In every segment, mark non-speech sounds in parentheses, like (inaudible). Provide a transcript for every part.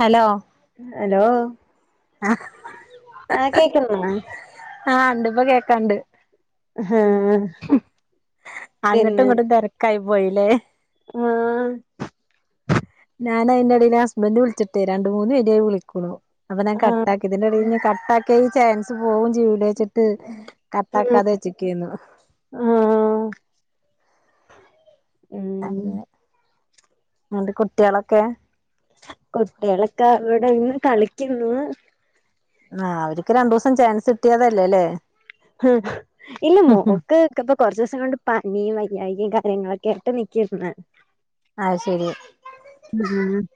Hello hello? ആഹ. ആഹ് കേക്ക്‌ന്നു ആ. ആഹ് ഉണ്ട് ഇപ്പൊ കേക്കാണ്ട്. ഹ്. അങ്ങോട്ടും ഇങ്ങോട്ടും തെരക്കായി പോയില്ലേ. ആഹ്. ഞാൻ അയിന്റെ എടെല് ഹസ്ബന്റ് വിളിച്ചിട്ട് രണ്ട് മൂന്ന് പേര്യായി വിളിക്കുന്നു അപ്പൊ ഞാൻ ആ കട്ടാക്കി. അതിന്റെടെല് ഞാൻ കട്ടാക്കിയ ഈ ചാൻസ് പോവും ചെയ്യൂലേ വെച്ചിട്ട് ഉം കട്ടാക്കാതെ വെച്ചേക്കേന്ന്. ആ ഉം അങ്ങനെ മോന്റെ കുട്ട്യോളൊക്കെ. കുട്ടികളൊക്കെ ഇവിടെ ഇന്ന് കളിക്കുന്നു. ആഹ് അവര്ക്ക് രണ്ടുസം ചാൻസ് കിട്ടിയതല്ലേ അല്ലേ. ഹ് ഇല്ല മോക്ക്. പ്പൊ കുറച്ചൂസം കൊണ്ട് പനിയും വയ്യായികയും കാര്യങ്ങളൊക്കെ ആട്ട് നക്കുന്ന്. അ ശരി. ഉം (unintelligible)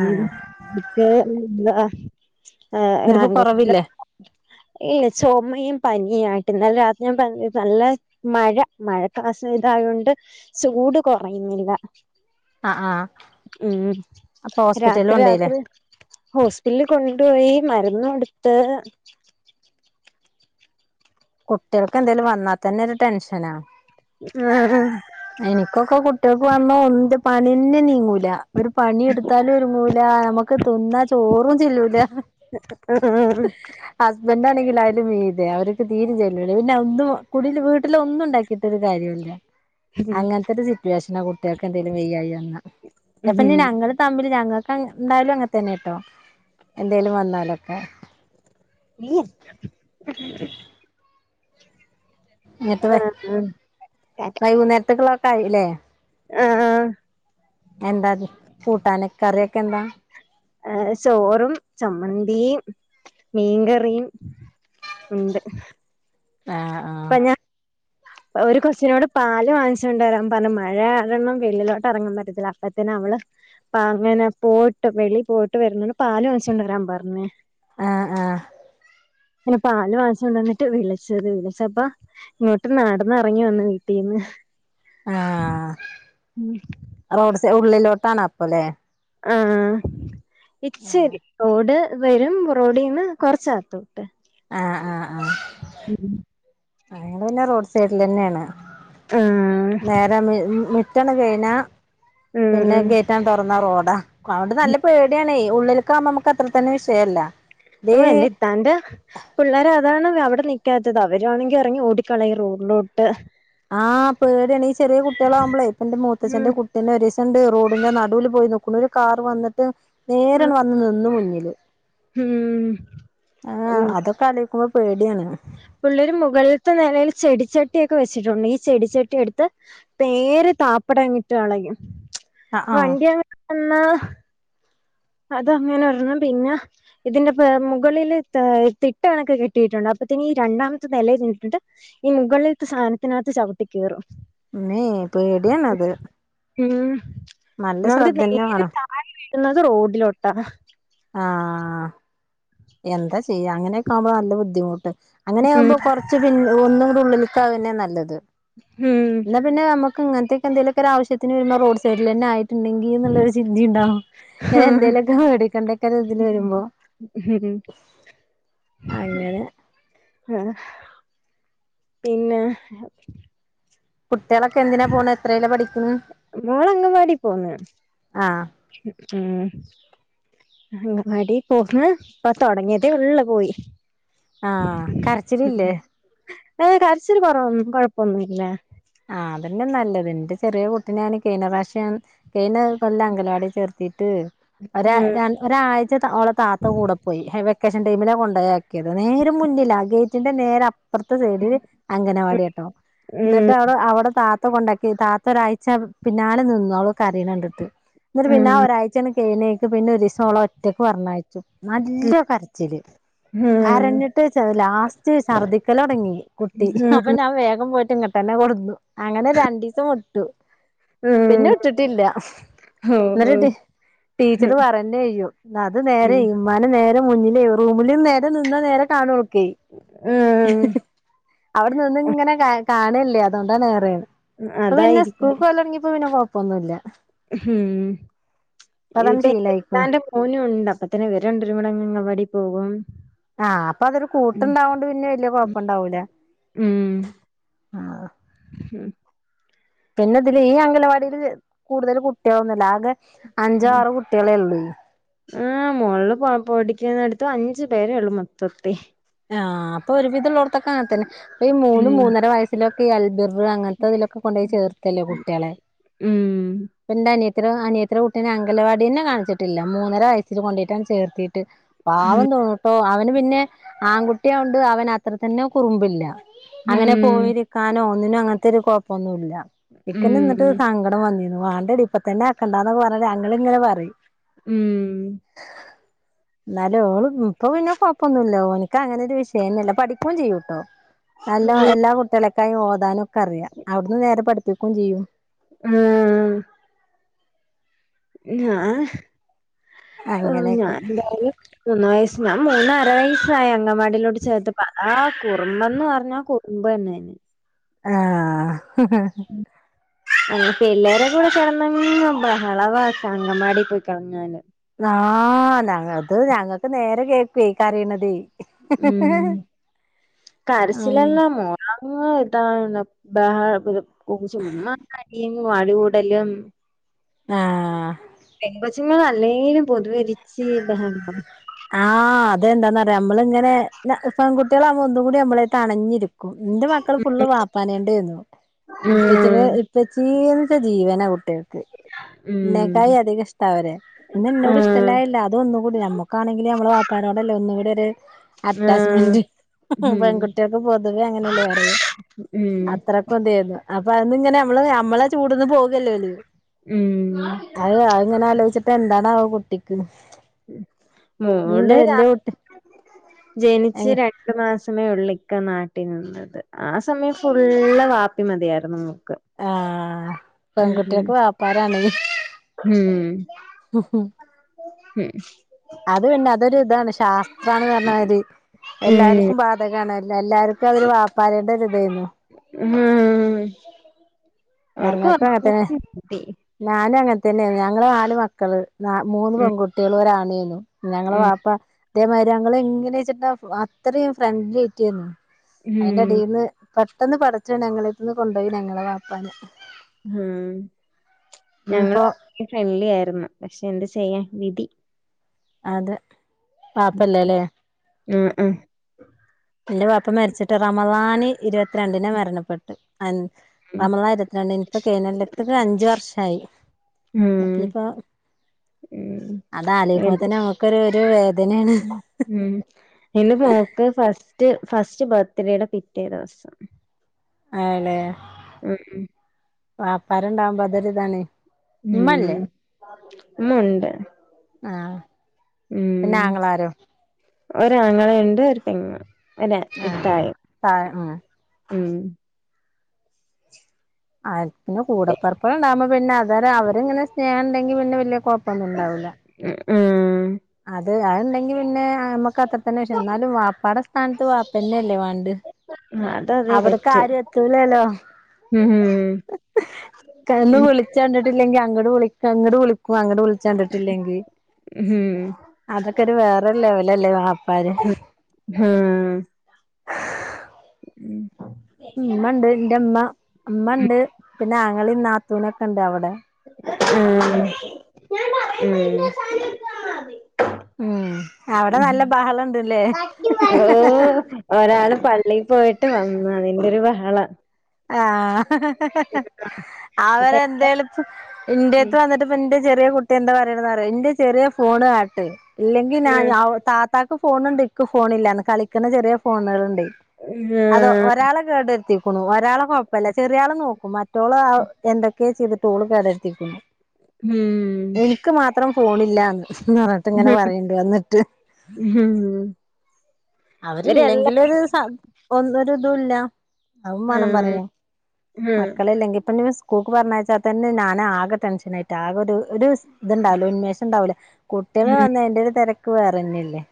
ആഹ് ഞങ്ങൾക്കൊക്കെ ഇല്ല. ഇന്നട്ട്പ്പൊ കൊറവില്ലേ ചുമയും പനിയും ആയിട്ട് ഇന്നല രാത്രി ഞാൻ നല്ല. മഴ മഴക്കാസു ഇതായൊണ്ട് ചൂട് കുറയുന്നില്ല. ആഹ് ആഹ് ഉം അപ്പൊ ഹോസ്പിറ്റലിൽ രാത്രി, കൊണ്ടോയില്ലേ രാത്രി. ഹോസ്പിറ്റലിൽ കൊണ്ടോയി മരുന്ന് കൊടുത്ത്. കുട്ടികൾക്ക് എന്തെലും വന്നാ തന്നെ ഒരു ടെൻഷനാ. ആഹ. എനിക്കൊക്കെ കുട്ടികൾക്ക് വന്ന ഒന്റെ പണിന്നെ നീങ്ങൂല. ഒരു പണി എടുത്താലും ഒരു മൂല. ഇല്ല നമുക്ക് തിന്നാ ചോറും ചെല്ലൂല. (unintelligible) ഹസ്ബന്റ് ആണെങ്കില് അതിലും മീതെയാ അവര്. തീര ചെല്ലുലെ പിന്നെന്നും കുടിൽ വീട്ടിലൊന്നും ഉണ്ടാക്കിട്ട് ഒരുകാര്യോല്ല. അങ്ങനത്തെ ഒരു സിറ്റുവേഷനാ കുട്ടികൾക്ക് എന്തെലും വെയ്യായികന്ന പ്പഞ്ഞി ഉം ഞങ്ങള്. തമ്മില് ഞങ്ങക്ക് എന്തായാലും അങ്ങനെതന്നെട്ടോ എന്തേലും വന്നാലൊക്കെ. ഇ. എന്നിട്ട് വൈകുന്നേരത്തക്കൊള്ളൊക്കെ ആയില്ലേ. ആഹ്, ആ. എന്താ കൂട്ടാന് കറിയൊക്കെ എന്താ? ഏ ചോറും, ചമ്മന്തീം മീൻകറീം. (unintelligible) ആഹ്, ആ. ഇപ്പൊ ഞാൻ ഒരു കൊച്ചിനോട് പാല് വാങ്ങിച്ചോണ്ടരാൻ പറഞ് മഴ കാരണം വെളിലോട്ട് എറങ്ങാൻ പറ്റത്തില്ല അപ്പത്തെന് അവള്. അപ്പ അങ്ങനെ പോയിട്ട് വെളി പോയിട്ട് വരുന്നണ്ട് പാല് വാങ്ങിച്ചോണ്ടരാൻ പറഞ്ഞേ. ആഹ്, ആഹ്. പിന്നെ പാല് വാങിച്ചോണ്ടന്നിട്ട് വിളിച്ച്. വിളിച്ചപ്പ. ഇങ്ങോട്ട് നടന്ന് എറങ്ങി വന്ന് വീട്ടിന്ന്. ആ റോഡ് സെ ഉള്ളിലോട്ടാണ് അപ്പല്ലേ. ആഹ് ഇച്ചിരി റോഡ്. വരും റോഡീന്ന് കൊറച്ചത്തോട്ട്. ആഹ്, ആഹ്, ആഹ്. ഉം ആ ഞങ്ങള് പിന്നെ റോഡ് സൈഡിലന്നെണ് ആഹ് നേരെ മിറ്റന്ന് കഴിഞ്ഞാ. ഉം പിന്നെ ഉം ഗേറ്റാൻ തുറന്ന റോഡാ. അതുകൊണ്ട് നല്ല പേടിയാണെ ഉള്ളില്. ക്ക നമുക്ക് അത്ര തന്നെ വിഷയല്ല ഇത്. തന്റെ പിള്ളേര് അതാണ് അവിടെ നിക്കാത്തത് അവരു ആണെങ്കി എറങ്ങി ഓടിക്കളയും റോഡിലോട്ട്. ആഹ് പേടിയാണ് ഈ ചെറിയ കുട്ടികളാകുമ്പളേ എന്റെ ഉം മൂത്തച്ഛന്റെ കു പിന്നെ ഒരുസണ്ട് റോഡിന്റെ നടുവില് പോയി നിക്കുന്നു ഒരു കാർ വന്നിട്ട്. നേരെ ഉം വന്ന് നിന്ന് മുന്നില്. ഉം. അതൊക്കെആലോക്കുമ്പോ പേടിയാണ്. പിള്ളേര് മുകളിലത്തെ നെലയില് ചെടിച്ചട്ടിയൊക്കെ വെച്ചിട്ടുണ്ട് ഈ ചെടിച്ചട്ടി എടുത്ത്. നേരെ താപ്പട്ട്ങ്ങിട്ട് കളയും. ആഹ് ആഹ് വണ്ടി എങ്ങാനും വന്നാ. അതങ്ങനെ ഒരെണ്ണം. പിന്ന ഇതിന്റെ മുകളില് തിട്ട കണക്ക് കെട്ടിയിട്ടുണ്ട് അപ്പോത്തിനീ രണ്ടാമത്തെ നെലെൽ നിന്നിട്ട്. ഈ മുകളിലത്തെ സാനത്തിനാത്ത് ചവിട്ടി കേറും. ഇമ്മേ പേടിയാണ് അത്. ഉം ഒന്നാത് ശ്രദ്ധന്നെ നേരെ വേണം താഴെ വീഴുന്നത് റോഡിലോട്ടാ. ആഹ് എന്താ ചെയ്യാ അങ്ങനെക്കെ ആകുമ്പോ നല്ല ബുദ്ധിമുട്ട്. ഉം അങ്ങനെയാകുമ്പോ കൊർച്ച് പിൻ ഒന്നു കൂടെ ഉള്ളിൽക്കാകന്നെ നല്ലത് ഉം എന്നാ പിന്നെ നമു ക്കങ്ങൻത്തെക്കെന്തേലൊക്കൊരാവശ്യത്തിന് വരുമ്പൊ റോഡ് സൈഡിലെന്നായി ട്ട്ണ്ടെങ്കി ന്ന്‌ള്ളൊരു ചിന്തീണ്ടാവും ഞനെന്തേലൊക്കെ മേടിക്കണ്ടെ അങ്ങനെ ഉ പിന്നെ കുട്ടേളൊളൊക്കെ എന്തിനാ പോണ്‌ എത്രേലാ പഠിക്കുന്നു? മോള് അങ്ങവാടി പോന്ന് ഉം അങ്ങവാടി പോക്ക്ന്ന്‌ ഇപ്പൊ തൊടങ്ങിയതേ ഒള്ള് പോയി ആഹ് കരച്ചിലില്ലേ ഏ കരച്ചില് കൊറവു കൊഴപ്പൊന്നൂല്ല ആ അതന്നെ നല്ലത് ഇന്റെ ചെറിയ കുട്ടിനെ ഞാന് കഴിഞ്ഞ പ്രാവശ്യം കയിഞ്ഞ കൊല്ല അംഗലവാടി ചേർത്തിട്ട് ഒരാ ഉം ര ഒരാഴ്ച ത ഓളെ താത്ത കൂടെ പോയി ഹെ വെക്കേഷൻ ടൈമിലാ കൊണ്ടയാ ക്കിയത് നേരെ മുന്നിലാ ഗേറ്റിന്റെ നേരെ അപ്പുറത്തെ സൈഡില് അംഗനവാടിയാട്ടോ ഉം എന്നിട്ട് അവള് അവടെ താത്ത കൊണ്ടാക്കി താത്ത ഒരാഴ്ച പിന്നാലെ നിന്നു അവള് കരയണണ്ടിട്ട് ഇന്നിട്ട് പിന്നെ ആ ഉം ഒരാഴ്ചണ്ട് കഴിഞ്ഞയ്ക്ക് പിന്നെ ഒരീസം ഓളെ ഒറ്റക്ക് പറഞ്ഞായച്ചു നല്ല കരച്ചില് ഉം ഉം കരഞ്ഞിട്ട് ലാസ്റ്റ് ശർദിക്കലൊടങ്ങി കുട്ടി അപ്പൊ ഉം ഞാൻ വേഗം പോയി ട്ടെന്നെ കൊടുന്നു അങ്ങനെ രണ്ടീസം വിട്ടു ഉം പിന്നെ വിട്ടിട്ടില്ല ഓ ഓ ഇന്നട്ട്ണ്ട് ഹ്, ടീച്ചറ്‌ പറന്നെ ചെയ്യും അത് ഉം നേരേകും മ്മാനെ നേരെ മുന്നിലേ റൂമില് നേരെ നിന്നാ നേരെ കാണു ഓൾക്കെ ആഹ് അവിടെ നിന്ന് ഇങ്ങനെ ക കാണല്ലേ അതുകൊണ്ടാണ് ഏറെ ഇപ്പൊ പിന്നെ അതായിരിക്കും. സ്കൂൾക്ക് പോകൽ തുടങ്ങിയപ്പോ പിന്നെ കൊഴപ്പൊന്നൂല്ല ഹും (unintelligible) ശീലായിക്ക്ണ് ഓനൂണ്ട് അപ്പ തന്നെ ഇവരണ്ടുപേരും കൂടെ അങ്ങവാടി പോകും ആ അപ്പ അതൊരു ഉം കൂട്ടുണ്ടാവോണ്ട് പിന്നെ വല്യ കൊഴപ്പണ്ടാവൂല ആഹ് ഉം പിന്നെ ഇതില് ഈ അംഗലവാടിൽ കൂടുതൽ കുട്ടികളൊന്നൂല്യ ആകെ അഞ്ചോ ആറോ കുട്ടികളെ ഉള്ളൂ ആ മോള് പഠിക്കുന്നടുത്ത് അഞ്ചു പേരേള്ളു മൊത്തത്തി ആ അപ്പൊ ഒരു വിധം ഉള്ളോടത്തൊക്കെ അങ്ങനത്തന്നെ അപ്പൊ ഈ മൂന്ന് ഉം മൂന്നര വയസ്സിലൊക്കെ ഈ അൽബിർ അങ്ങൻ ത്തതിലൊക്കെ കൊണ്ടോയി ചേർത്തല്ലേ കുട്ടേളെ ഉം ഇപ്പൊ ഇന്റെ അനിയത്തിടെ അനിയത്തിടെ കുട്ടിനെ അങ്കലവാടിയെന്നെ കാണിച്ചിട്ടില്ല മൂന്നര വസ്സിൽ കൊണ്ടയ്ട്ടെണ്ട് ചേർത്തി, ട്ട് പാവം തോന്നൂട്ടോ അവന് പിന്നെ ആൺകുട്ടിയാകോണ്ട് അവന് അത്ര തന്നെ കുറുമ്പില്ല അങ്ങനെ ഉം പോയിരിക്കാനോ ഒന്നിനോ അങ്ങനത്തെ ഒരു കൊഴപ്പൊന്നൂല്ല ഇക്കെന്നെ ഉം ഇന്നിട്ട് സ ങ്കടം വന്നിന്നു വാണ്ടടി ഇപ്പ തന്നെ ആക്കണ്ടാന്ന് പറഞ്ഞിട്ട് ഞങ്ങള്ങ്ങനെ പറയും ഉം ന്നാല് ഓള് ഇപ്പൊ പിന്നെ കൊഴപ്പൊന്നൂല്ല ഓൻ ഇൻക് അങ്ങനെ ഒരു വിഷയന്നെല്ല പഠിക്കൂം ചെയ്യൂട്ടോ നല്ലോ എല്ലാ കുട്ടികളെക്കായും ഓതാനും ക്കെ റിയാ അവിടുന്ന് നേരെ പഠിപ്പിക്കൂം ചെയ്യും ആ ഞാന് ഓ ഞാന് അങ്ങനെയൊക്കെ അന്റെ മാര്യ മൂന്ന വയസ്സ് ഞാ മൂന്ന അര വയസ്സായി അങ്കവാടിയിലോട്ട് ചേർത്തപ്പ ആ കുറുമ്പൻ ന്ന് പറഞ്ഞാ കുറുമ്പന്നെ ആ അങ്ങ പിള്ളേരെ കൂടെ കിടന്നങ്ങ് ബഹളവാ അങ്കമാടി പോയി കിളങ്ങൻ ആ ഞങ്ങൾക്ക് ഞങ്ങക്ക് നേരെ കേക്കുവേയ് കാരേണതേ ഉം ഉം കരസിലെല്ലാം മോ ആകെ ഇതാണ് ബാ ഒരു കു ചുമ്മാ അടിയും അടികൂടലും ആഹ് പെങ്കാെച്ച്ങ്ങള് അല്ലെങ്കിലും പൊതുവെ ഒര് ഇച്ചിരി ബഹളം ഇണ്ടാവും ആഹ് അതെന്താന്നറിയാേ അമ്മള് ഇങ്ങനെ ന പെൺകുട്ടേളാവുമ്പൊ ഒന്നും കൂടി അമ്മളെര്ത്ത് അണഞ്ഞിരി ക്കും ഇന്റെ മക്കള് ഫുള്ള് വാപ്പാനെണ്ടേര്ന്നു ഇപ്പ ച്ചിടെ ഉം ഇപ്പച്ചീന്ന് വെച്ചാ ജീവനാ കുട്ടിയേ ക്ക് ഇന്നേക്കായി ഉം അധികം ഇഷ്ടം അവരെ ഇന്ന ഇന്നോട് ആഹ് ഇഷ്ടല്ലായിയെ ല്ല അതൊന്നുകൂടി ഞമ്മക്കാണെങ്കില് ഞമ്മളെ വാപ്പാരോടെല്ലെ ഒന്ന് കൂടി ഒര് ആഹ് അറ്റാച്ച്മെന്റ് ഉം പെങ്കുട്ടിയേക്ക് പൊതുവെ അങ്ങനെല്ലെ പറയാ ഉം അത്രെ പുതിയത് അപ്പൊ അത് ന്ന് ഇങ്ങനെ അമ്മള് അമ്മളെ ചൂട്ന്ന് പോകല്ലെ ഓല് ഉം അത് അത് ഇങ്ങനെ ആലോയിച്ചിട്ടാ എന്താണാവൊ കുട്ടിക്ക് ഉം ഉം ഇന്റെ മോള് രാ വല്യ കുട്ടി ജെനിച്ച് എങ്ങ രൺ രണ്ട് മാസമേ ഒള്ളിക്ക നാട്ടിനിന്നത് ആ സമയം ഫുള്ള് വാപ്പി മതിയായിരുന്നു മോക്ക് ആഹ് ഉം പെൺങ്കുട്ടിയേക്ക് വാപ്പരാണേയ് ഉം ഹൊ ഹൊ ഉം അത് പിന്നെ അതൊരു ഇതാണ് ശാസ്ത്രാണ് പർണാമതി ഉം എല്ലാർക്കും ബാ ധകാണ് എല്ല എല്ലാർക്കും അവര് വാപ്പാരേണ്ട് ഒര് ഇതേര്ന്നു ഉം അവർക്ക് ഒറങ്ങണെങ്കി മതി നാനും അങ്ങൻത്തെന്നേര്ന്നു ഞങ്ങള് നാല് മക്കള് നാ മൂന്ന് ഉം പെങ്കുട്ടിയേളും ഒരാണുഏനു ഞങ്ങളെ ഉം വാപ്പ ഇതേമായിരി ഞങ്ങളെ ഇങ്ങനെച്ച്ട്ടാ ഫു അത്തറിം ഫ്രണ്ട്ലിഎയ്റ്റേര്ന്നു ഐന്റെ ഉം അടീന്ന് പെട്ടെന്ന് പടച്ചോൻ ഞങ്ങളെര്ത്ത്ന്ന് കൊണ്ടോയി ഞങ്ങളെ വാപ്പാനെ ഉം ഞങ്ങള് ഇനിയിപ്പോ അത്രയും ഫ്രണ്ട്ലിആയിരുന്നു പക്ഷെ എന്ത് ചെയ്യാ വിധി അതെ വാപ്പ ഇല്ലലേ ഉംഉം ഇന്റെ വാപ്പ മരിച്ചിട്ട് റമളാനി ഇരുവത്രണ്ടിനാ മരണപ്പെട്ട് അൻ ഉം നമളാൻ ഇരുവത്തിരണ്ടിന് ഇപ്പൊ കൈഞ്ഞൊല്ലത്ത്ക്ക് അഞ്ച് വർഷായി ഉം ഏപ്പിലിപ്പോ ഉം അതാലോയിക്കുമ്പത്തെന്നെ അമുക്കാെര് ഒര് വേദനേണ് ഉം എന്റെ മോക്ക് ഫസ്റ്റ് ഫസ്റ്റ് ബെർത്ത്ഡേയ്ടെ പിറ്റേ ദിവസം അയലേ ഉം ഉം വാപ്പാര് ഇണ്ടാവ്മ്പൊ അതൊരു ഇതാണേ ഉം ഇമ്മഉണ്ട് ആഹ് പിന്നെ ഉം ആങ്ങളാരോ ഒരാങ്ങളയുണ്ട് ഒര് പെങ്ങളും ഒര ആഹ് ഇത്തായും താഴെ ആഹ് ഉം അത് പിന്നെ കൂടപ്പെർപ്പാേള് ഇണ്ടാവുമ്പാെ പിന്നെ അതാെര് അവര് ഇങ്ങനെ സ്നേഹം ഇണ്ടെങ്കി പിന്നെ വെല്യ കൊഴ് പ്പാെന്നും ഇണ്ടാവൂല ല് ഉം അത് അത് ഇണ്ടെങ്കി പിന്നെ അമ്മക്ക് അത്ര തന്നെ വിഷമം ഇന്നാലും വാപ്പാടെ സ്ഥാൻത്ത് വാപ്പന്നെ എല്ലെ വാണ്ട് (unintelligible) അത് അതേ പറ്റൂ അവിട്ക്കാരു എത്തൂലല്ലോ ഉം ന്ന് ഉം വിളിച്ചണ്ടിട്ടില്ലെങ്കി അങ്കട് വിളിക്ക ഇങ്കട് വിളി ഓ അങ്കട് വിളിച്ചണ്ടിട്ടില്ലെങ്കി മ്മ്ഹ്ഹ് അതൊക്കൊരു വേറൊരു ലെവലല്ലേ വാപ്പാര് മ്മ്ഹ് ഉം ഇമ്മണ്ട് ഇന്റെമ്മ ഇമ്മണ്ട് പിന്നെ ആങ്ങളീം നാത്തൂനൊക്കെണ്ട് അവടെ മ്മ് ഞാൻ പറഞ്ഞിട്ട് എന്റെ സാധനം എടുത്താൽ മതി മ്മ് ഉം അവടെ നല്ല ബഹളണ്ട്ല്ലേ ഓ ഒരാള് പള്ളി പോയിട്ട് വന്നു അതിന്റൊരു ബഹള ആഹ് അപ്പ അവരെന്തേലും ഇന്റെത്ത് വന്നിട്ട് ഇപ്പൊന്റെ ചെറിയ കുട്ടി എന്താ പറയണ്ന്നറിയോ ഇന്റെ ചെറിയ ഫോണ് കാട്ട് ഇല്ലെങ്കി നാ താ ത്താക്ക് ഫോണുണ്ട് ഇക്ക് ഫോണില്ലാന്ന് കളിക്കണ ചെറിയ ഫോണളുണ്ട് അതോ ഒരാളെ കേടരുത്തിക്കുണു ഒരാളെ കൊഴപ്പല്ല ചെറിയ ആള് നോക്കും മറ്റോള് എന്തൊക്കെ ചെയ്തിട്ടോള് കേടര്ത്തിക്കുണു മ്മ് ഇക്ക് മാത്രം ഫോണില്ല ഇന്ന് പറഞ്ട്ട് ഇങ്ങനെ പറയ്ണ്ട് വന്നിട്ട് മ്മ്ഹ് അവരില്ലെങ്കിലൊരു സ ഒ ഒരു ഇതൂല്ല അവും വേണം പറയാൻ മക്കളില്ലെങ്കിപിന്നെ സ് കൂക്ക് പറഞ്ഞച്ചാ തന്നെ നാൻ ആകെ ടെൻഷനായിട്ട ആകെ ഒരു ഒരു ഇത്ണ്ടാവൂല ഒരുന്മേഷം ഉണ്ടാവൂലേ കുട്ട്യാൾ വന്ന അയിന്റൊരു തെരക്ക് വേറെന്നല്ലേ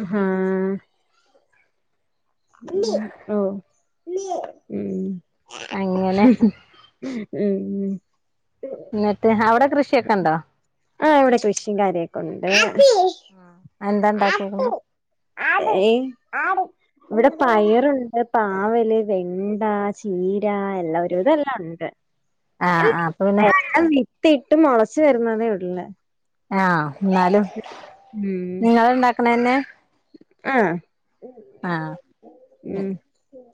മ്മ്ഹ്ഹ് അല്ലെ ഓ ഉം അങ്ങനെ അല്ലെ മ് മ്മ് എനിട്ട് അവിടെ കൃഷിയൊക്കെണ്ടോ ആഹ ഇവിടെ കൃഷിം കാര്യൊക്കെ ഒണ്ട് അയെന്തണ്ടാക്കിക്കണ് ഈ ആട് ആട് ഇവിടെ പയറുണ്ട് പാവല് വെണ്ട ചീര എല്ല ഒരുവിധം എല്ലാം ഒണ്ട് ആഹ് ആഹ് അപ്പൊ പിന്നെ ത്തിട്ട് മൊളച്ചു വരുന്നതേയൊള് ആഹ് ഇന്നാലും നിങ്ങള് ഇണ്ടാക്കണയെന്നെ ആഹാ ആഹ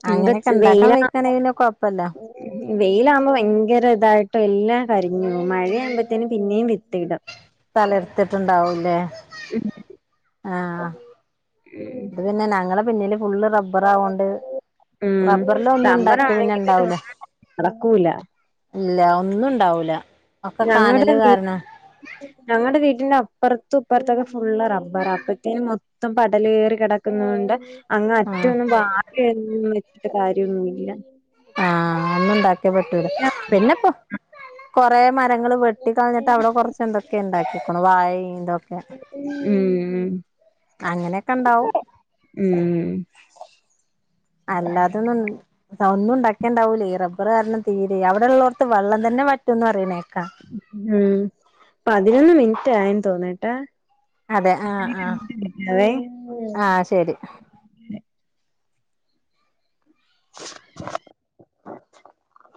നമുക്ക് അങ്ങനയൊക്കെ ഇണ്ടാക്കാൻ വെയ്ക്കാണെങ്കി പിന്നെ കൊയപ്പില്ല വെയിലാവുമ്പോ വയങ്കര ഇതായിട്ട് എല്ലാം കരിഞ്ഞു പോവും മഴയാവുമ്പത്തേനും പിന്നേ വിത്തിടും തലർത്തിട്ടുണ്ടാവൂല്ലേ ആഹ് അതെന്നെ ഞങ്ങളെ പിന്നില് ഫുള് റബ റബ്ബർ ആവൊണ്ട് ഉം റബ്ബറിലൊന്നും ഇണ്ടാക്കിയ പിന്നെ റബ്ബറാണെങ്കി ഇണ്ടാവൂല ഒന്നും നടക്കൂല ഇല്ല ഒന്നുണ്ടാവൂല ഞങ്ങടെ വീ ഞങ്ങടെ വീട്ടിന്റെ അപ്പറത്തും ഇപ്പറത്തൊക്കെ ഫുള് റബ്ബറാ അപ്പത്തേന് മൊത്തം പടല് കേറി കിട ക്കുന്നോണ്ട് അങ്ങ് ആഹ് അറ്റൊന്നും വാഴയൊന്നും വെച്ചിട്ട് കാര്യോന്നുല്ല ആഹ് ഒന്നുണ്ടാക്കിയ പറ്റൂല പിന്നെപ്പൊ കൊറേ മരങ്ങള് വെട്ടിക്കളഞ്ഞിട്ട് അവിടെ കൊറച്ച് എന്തൊക്കെ ഇണ്ടാക്കിക്ക്ണു വായിം ഇതൊ ക്കെ ഉം അങ്ങനെക്കെണ്ടാവും. ഉം അല്ലാതെന്നും ഒന്നും ഇണ്ടാക്ക്യാ ഇണ്ടാവൂലെ റബ്ബർ കാരണം തീരെ അവടെ ഇള്ളോട്ത്ത് വെള്ളം തന്നെ വറ്റുംന്ന് പറയ്ണേക്കാ. ഉം പതിനൊന്ന് മിനിറ്റായെന്ന് തോന്ന്ട്ടാ അതെ ആഹ് ഇനി പിന്നീട് വിളിക്കാവേ ശെരി (inaudible)